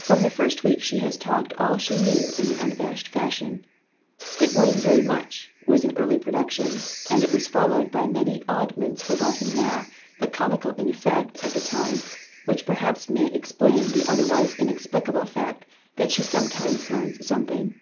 From the first week she has talked all she knew in unabashed fashion. "Good morning very much" was an early production; and it was followed by many oddments forgotten now, but comical in effect at the time, which perhaps may explain the otherwise inexplicable fact that she sometimes learns something.